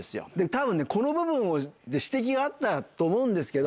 多分この部分をって指摘があったと思うんですけど。